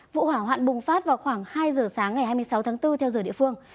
vụ hỏa hoạn bùng phát vào khoảng hai giờ sáng ngày hai mươi sáu tháng bốn theo giờ địa phương